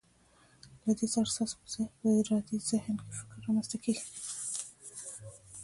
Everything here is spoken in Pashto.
له دې سره ستاسو په ارادي ذهن کې فکر رامنځته کیږي.